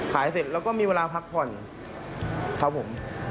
เสร็จแล้วก็มีเวลาพักผ่อนครับผม